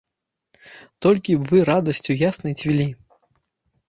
Толькі б вы радасцю яснай цвілі.